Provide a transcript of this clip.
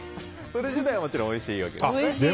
それ自体はもちろんおいしいわけですね。